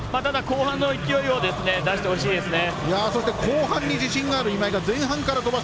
後半、勢いを出してほしいですね。